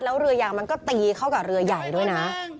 แล้วเรือยางมันก็ตีเข้ากับเรือใหญ่ด้วยนะ